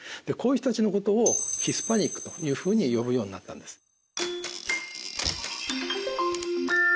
でこういう人たちのことをヒスパニックというふうに呼ぶようになったんです。